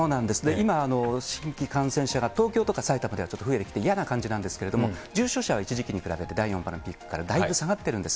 今、新規感染者が東京とか埼玉ではちょっと増えてきて嫌な感じなんですけれども、重症は一時期に比べて第４波のピークからだいぶ下がってるんです。